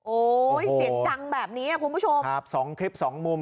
โอ้ยเสียงดังแบบนี้คุณผู้ชมครับสองคลิปสองมุม